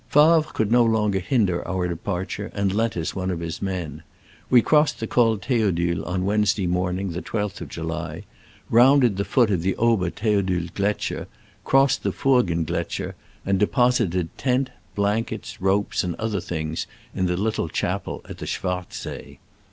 Favre could no longer hinder our de parture, and lent us one of his men. We crossed the Col Theodule on Wednes day morning, the 1 2th of July, rounded the foot of the Ober Th^odulgletscher, crossed the Furggengletscher, and de posited tent, blankets, ropes and other things in the little chapel at the Schwarz see.